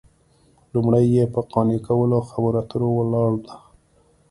لومړۍ یې په قانع کولو او خبرو اترو ولاړه ده